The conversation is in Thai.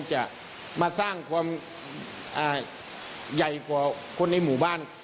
จะมาสร้างความใหญ่กว่าคนในหมู่บ้าน